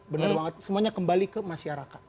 benar banget semuanya kembali ke masyarakat